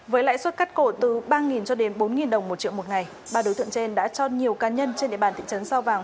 với lãi suất cắt cổ từ ba cho đến bốn đồng một triệu một ngày ba đối tượng trên đã cho nhiều cá nhân trên địa bàn thị trấn sao vàng